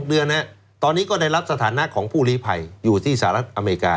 เดือนตอนนี้ก็ได้รับสถานะของผู้ลีภัยอยู่ที่สหรัฐอเมริกา